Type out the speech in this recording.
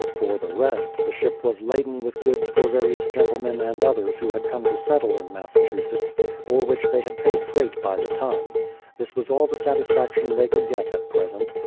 For the rest, the ship was laden with goods for various gentlemen and others who had come to settle in Massachusetts, for which they had paid freight by the ton. This was all the satisfaction they could get at present.